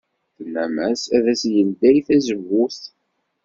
Tennam-as ad yeldey tazewwut.